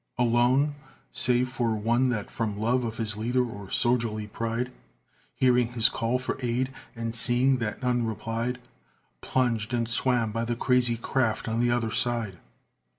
Alone? Save for one that from love of his leader or soldierly pride (Hearing his call for aid, and seeing that none replied), Plunged and swam by the crazy craft on the other side.